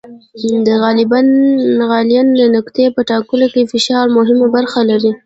د غلیان د نقطې په ټاکلو کې فشار مهمه برخه لري.